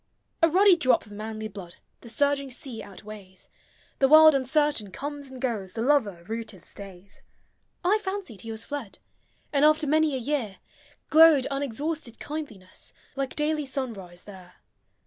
A ruddy drop of manly blood The surging sea outweighs; The world uncertain comes and goes, The lover rooted stays. I fancied he was fled — And, after many a year, Glowed unexhausted kindliness, Like daily sunrise there.